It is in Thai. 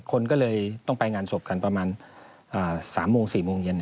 คนก็เลยต้องไปงานศพกันประมาณ๓โมง๔โมงเย็น